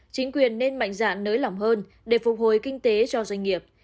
chính quyền nên mạnh dạn nới lỏng hơn để phục hồi kinh tế cho doanh nghiệp